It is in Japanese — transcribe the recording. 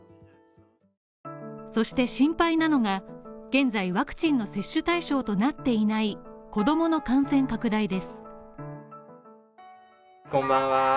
そして心配なのが、現在ワクチンの接種対象となっていない子供の感染拡大です。